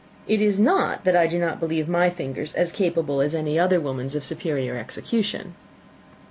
It is not that I do not believe my fingers as capable as any other woman's of superior execution."